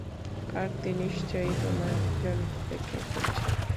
কার্তি নিশ্চয়ই তোমার জন্য অপেক্ষা করছে।